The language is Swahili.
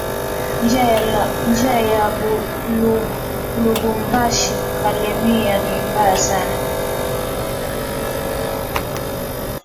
Njia ya lubumbashi kalemie ni mbaya sana